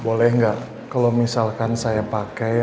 boleh nggak kalau misalkan saya pakai